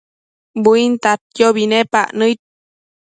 buintadquiobi nepac nëid